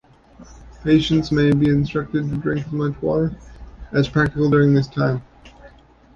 Patients may be instructed to drink as much water as practical during this time.